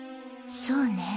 そうね